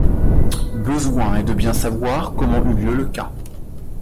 Besoing est de bien sçavoir comment eut lieu le cas.